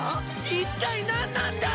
一体なんなんだ！？